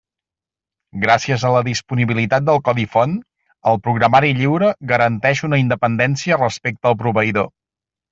Gràcies a la disponibilitat del codi font, el programari lliure garanteix una independència respecte al proveïdor.